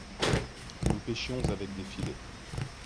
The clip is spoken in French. nous pêchions avec des filets.